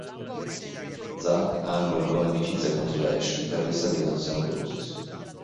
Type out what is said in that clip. Zakk ha anche una buona amicizia con Slash, chitarrista dei Guns N' Roses.